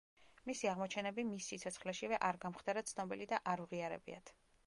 მისი აღმოჩენები მის სიცოცხლეშივე არ გამხდარა ცნობილი და არ უღიარებიათ.